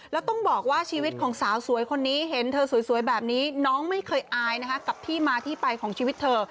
แล้วต้องบอกว่าชีวิตของสาวสวยคนนี้เห็นเธอสวยแบบนี้น้องไม่เคยอายนะคะกับที่มาที่ไปของชีวิตเธอ